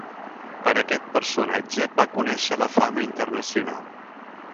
Per aquest personatge va conèixer la fama internacional.